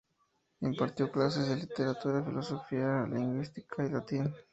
Impartió clases de literatura, filosofía, lingüística y latín.